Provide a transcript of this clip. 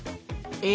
え！